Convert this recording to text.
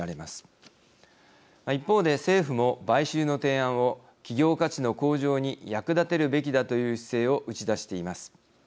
一方で政府も買収の提案を企業価値の向上に役立てるべきだという姿勢を打ち出しています。